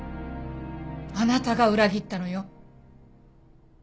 あなたが裏切ったのよ。